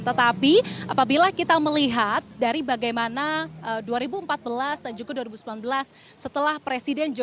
tetapi apabila kita melihat dari bagaimana dua ribu empat belas dan juga dua ribu sembilan belas setelah presiden jokowi